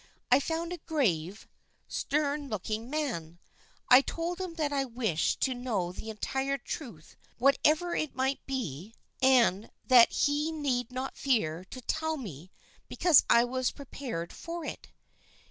I found a grave, stern looking man; I told him that I wished to know the entire truth whatever it might be, and that he need not fear to tell me because I was prepared for it.